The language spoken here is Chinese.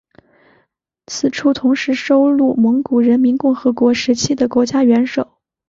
此处同时收录蒙古人民共和国时期的国家元首。